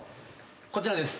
こちらです。